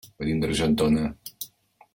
Venim d'Argentona.